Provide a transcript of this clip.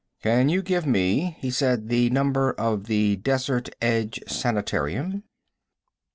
"Can you give me," he said, "the number of the Desert Edge Sanitarium?"